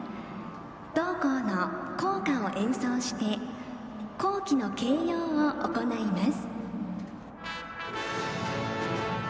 同校の校歌を演奏して校旗の掲揚を行います。